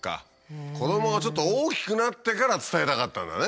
子どもがちょっと大きくなってから伝えたかったんだね。